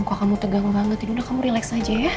muka kamu tegang banget ini udah kamu relax aja ya